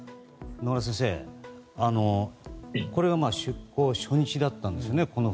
野村先生これが出航初日だったんですね。